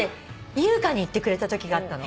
優香に言ってくれたときがあったの。